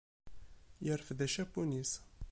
Yerfed acapun-is.